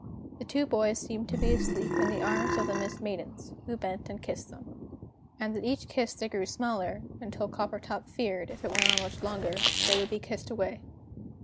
The two boys seemed to be asleep in the arms of the Mist Maidens, who bent and kissed them. And at each kiss they grew smaller, until Coppertop feared, if it went on much longer, they would be kissed away.